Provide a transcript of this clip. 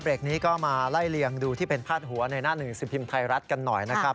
นี้ก็มาไล่เลียงดูที่เป็นพาดหัวในหน้าหนึ่งสิบพิมพ์ไทยรัฐกันหน่อยนะครับ